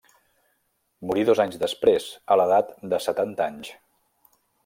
Morí dos anys després, a l'edat de setanta anys.